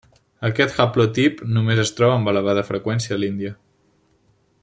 Aquest haplotip només es troba amb elevada freqüència a l'Índia.